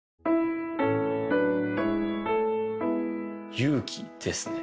勇気ですね